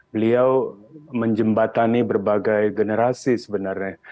beliau menjembatani berbagai generasi sebenarnya